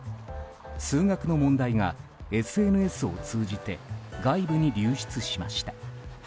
数学の問題がＳＮＳを通じて外部に流出しました。